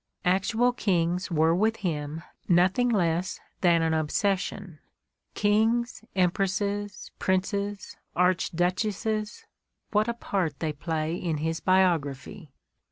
Actual kings were with him nothing less than an obses sion: kings, empresses, princes, archduchesses — ^what a part they play in his biography!